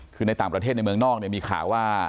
คือในต่างประเทศในเมืองนอกมีข่าวว่า